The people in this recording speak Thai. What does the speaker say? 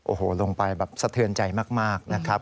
โอ้โหลงไปแบบสะเทือนใจมากนะครับ